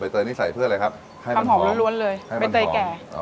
ใบเตยนี่ใส่เพื่ออะไรครับให้มันหอมหอมร้อนร้อนเลยให้มันหอมใบเตยแก่